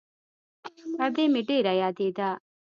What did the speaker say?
ادې مې ډېره يادېده.